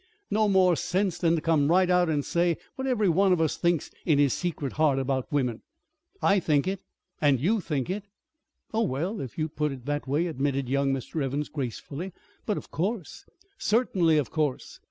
"No more sense than to come right out and say what every one of us thinks in his secret heart about women. I think it and you think it " "Oh, well, if you put it that way," admitted young Mr. Evans gracefully. "But of course " "Certainly, of _course!